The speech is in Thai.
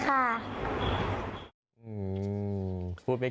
พูดไม่เก่งแต่รับรู้ได้นะ